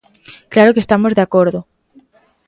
¡Claro que estamos de acordo!